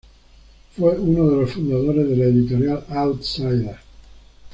Fue uno de los fundadores de la editorial Outsider.